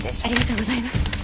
ありがとうございます。